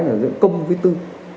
hay là giữa công với tư